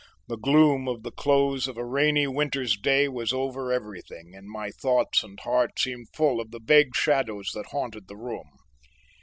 The gloom of the close of a rainy winter's day was over everything and my thoughts and heart seemed full of the vague shadows that haunted the room.